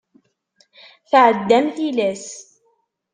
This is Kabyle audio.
Tɛeddam tilas.